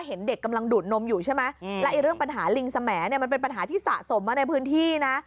หาที่สะสมมาในพื้นที่นะ